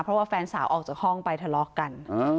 เพราะว่าแฟนสาวออกจากห้องไปทะเลาะกัน